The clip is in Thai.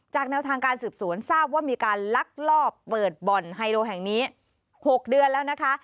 แนวทางการสืบสวนทราบว่ามีการลักลอบเปิดบ่อนไฮโลแห่งนี้๖เดือนแล้วนะคะ